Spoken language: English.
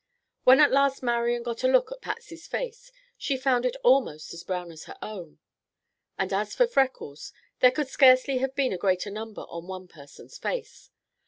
When at last Marian got a look at Patsy's face, she found it almost as brown as her own. And as for freckles, there could scarcely have been a greater number on one person's face.